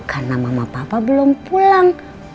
karena mama papa belum pulang